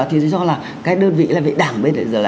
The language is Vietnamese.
thì tôi cho là các đơn vị là vị đảng